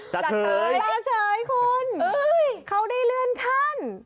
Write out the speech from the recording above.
จาเฉยจาเฉยคุณเฮ้ยเขาได้เลื่อนขั้น